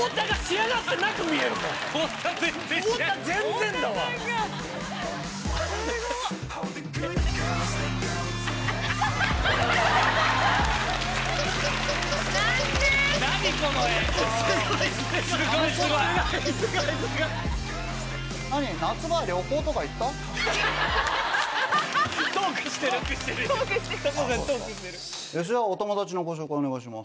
あぁそうですかじゃあお友達のご紹介お願いします。